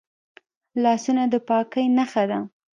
لاسونه د پاکۍ نښه ده